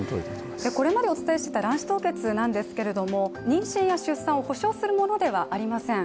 これまでお伝えしていた卵子凍結なんですが、妊娠や出産を保証するものではありません。